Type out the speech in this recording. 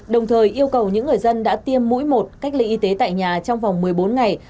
đồng thời yêu cầu những người dân đã tiêm mũi một cách ly y tế tại nhà trong vòng một mươi bốn ngày